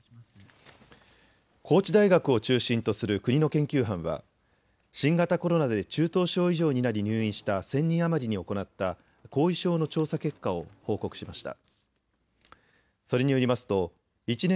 高知大学を中心とする国の研究班は新型コロナで中等症以上になり入院した１０００人余りに行った後遺症の調査結果を報告しました。